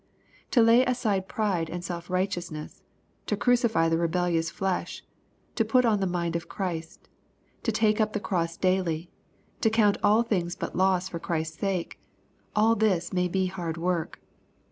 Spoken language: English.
To lay aside pride and self righteousness, to crucify the rebellious flesh, to put on the mind of Christ to take up the cross daily, to count all things but loss for Christ's sake, — all this may be hard work.